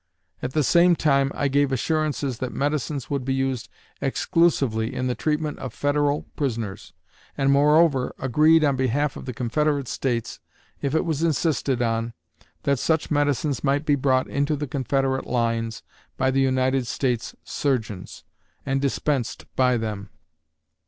At the same time I gave assurances that the medicines would be used exclusively in the treatment of Federal prisoners; and moreover agreed, on behalf of the Confederate States, if it was insisted on, that such medicines might be brought into the Confederate lines by the United States surgeons, and dispensed by them.